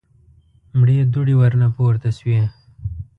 مړې دوړې ورنه پورته شوې.